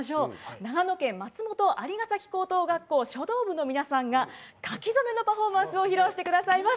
長野県松本蟻ヶ崎高等学校書道部の皆さんが書き初めのパフォーマンスを披露してくださいます。